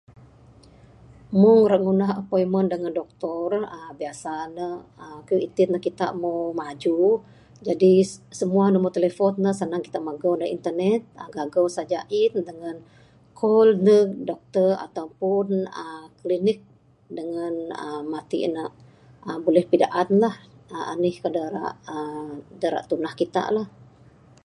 Mung rak ngundah appointment dengan doktor, uhh biasa ne, uhh kayuh iti ne kitak moh maju. Jadi semua nombor telefon ne senang kitak magau da internet. uhh Gagau saja int dengan call nduh dokter atau pun uhh klinik. Dengan uhh matik ne buleh pidaan lah, uhh anik ku da rak tundah kitak lah.